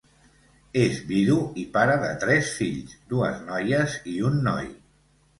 És vidu i pare de tres fills —dues noies i un noi—.